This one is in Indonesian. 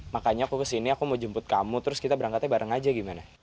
makanya aku kesini aku mau jemput kamu terus kita berangkatnya bareng aja gimana